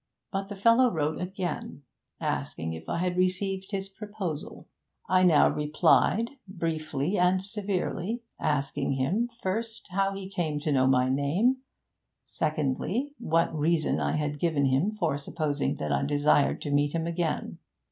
But the fellow wrote again, asking if I had received his proposal. I now replied, briefly and severely, asking him, first, how he came to know my name; secondly, what reason I had given him for supposing that I desired to meet him again.